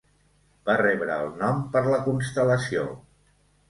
Va rebre el nom per la constel·lació.